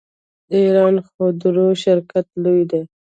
د ایران خودرو شرکت لوی دی.